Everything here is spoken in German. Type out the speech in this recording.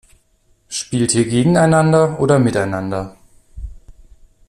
Spielt ihr gegeneinander oder miteinander?